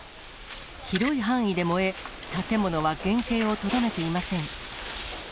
広い範囲で燃え、建物は原形をとどめていません。